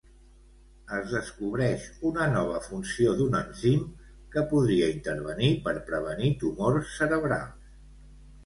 Es descobreix una nova funció d'un enzim que podria intervenir per prevenir tumors cerebrals.